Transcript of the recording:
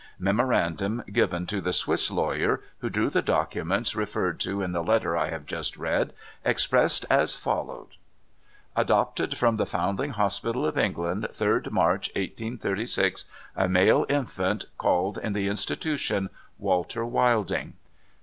Memorandum given to the Swiss lawyer, who drew the documents referred to in the letter I have just read, expressed as follows :—" Adopted from the Foundling Hospital of England, 3d March, 1836, a male infant, called, in the Institution, Walter AVilding.